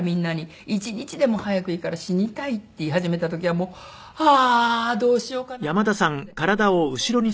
「１日でも早くいいから死にたい」って言い始めた時はもう「はあーどうしようかな」っていう事で。